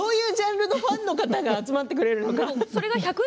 どういうジャンルのファンの方が集まってくれるのか。